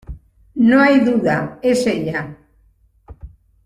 ¡ no hay duda, es ella!